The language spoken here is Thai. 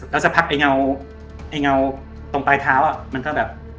แล้วสักพักไอ้เงาไอ้เงาตรงปลายเท้าอ่ะมันก็แบบ